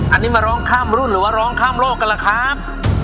อันนี้มาร้องข้ามรุ่นหรือว่าร้องข้ามโลกกันล่ะครับ